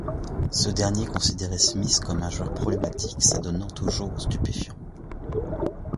Ce dernier considérait Smith comme un joueur problématique, s'adonnant toujours aux stupéfiants.